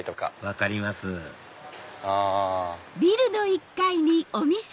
分かりますあ。